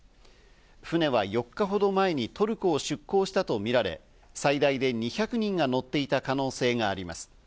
船は４日ほど前にトルコを出港したとみられ、最大で２００人が乗っていた可能性があります。